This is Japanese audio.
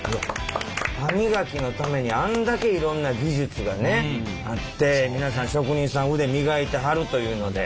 歯磨きのためにあんだけいろんな技術がねあって皆さん職人さん腕磨いてはるというので。